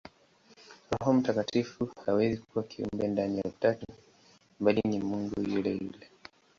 Roho Mtakatifu hawezi kuwa kiumbe ndani ya Utatu, bali ni Mungu yule yule.